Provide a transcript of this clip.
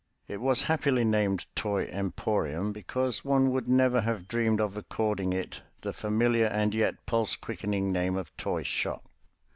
It was happily named Toy Emporium, because one would never have dreamed of according it the familiar and yet pulse quickening name of toyshop.